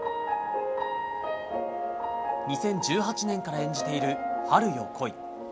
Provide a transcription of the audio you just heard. ２０１８年から演じている「春よ、来い」。